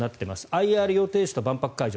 ＩＲ予定地と万博会場